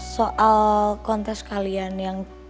soal kontes kalian yang